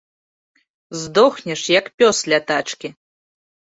Здохнеш, як пёс, ля тачкі!